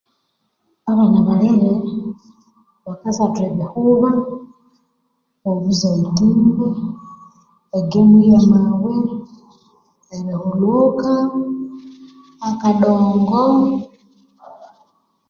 Abana balere bakasatha ebihuba, obutimba, e gemu eya amabwe, erihulhuka, akadongo